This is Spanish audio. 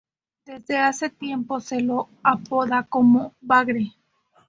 Desde hace tiempo se lo apoda como Bagre.